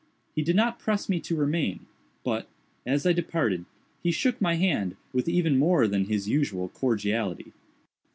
He did not press me to remain, but, as I departed, he shook my hand with even more than his usual cordiality.